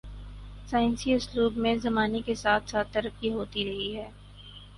سائنسی اسلوب میں زمانے کے ساتھ ساتھ ترقی ہوتی رہی ہے